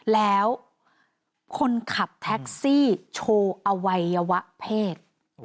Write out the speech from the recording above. แล้วคนขับแท็กซี่โชว์อวัยวะเพศ